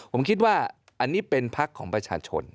ผมคิดว่าอันนี้เป็นพักของประชาชน